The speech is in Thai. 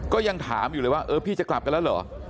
ก็ยังถามอยู่เลยว่าเออพี่จะกลับกันแล้วเหรอ